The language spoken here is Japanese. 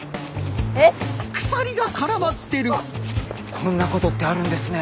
こんなことってあるんですね。